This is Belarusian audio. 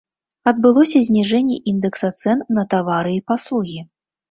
Адбылося зніжэнне індэкса цэн на тавары і паслугі.